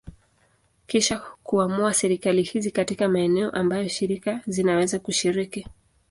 Kisha kuamua serikali hizi katika maeneo ambayo shirika zinaweza kushiriki.